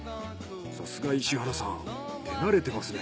さすが石原さん手慣れてますね。